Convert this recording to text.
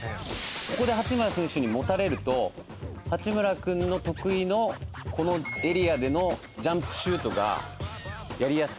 ここで、八村選手に持たれると八村君の得意の、このエリアでのジャンプシュートがやりやすくなる。